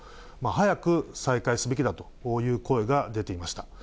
早く再開すべきだという声が出ていました。